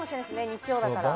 日曜だから。